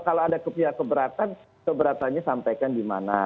kalau ada pihak keberatan keberatannya sampaikan di mana